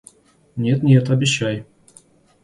Нет, нет, обещай!...